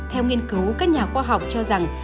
theo nghiên cứu các nhà khoa học cho rằng